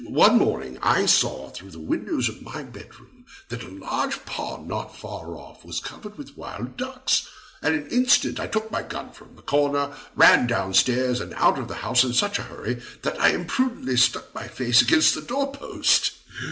One morning I saw, through the windows of my bed room, that a large pond not far off was covered with wild ducks. In an instant I took my gun from the corner, ran down stairs and out of the house in such a hurry, that I imprudently struck my face against the door post.